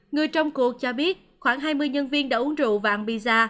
người trong cuộc cho biết khoảng hai mươi nhân viên đã uống rượu và ăn pizza